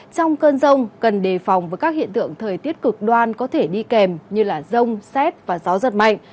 trong cơn rông cần đề phòng với các hiện tượng thời tiết cực đoan có thể đi kèm như rông xét và gió giật mạnh